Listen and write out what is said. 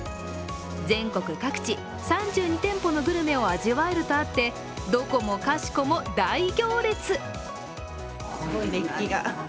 全国各地、３２店舗のグルメを味わえるとあってどこもかしこも大行列。